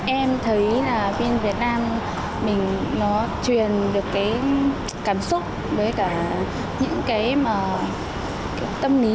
em thấy là phim việt nam mình nó truyền được cái cảm xúc với cả những cái mà tâm lý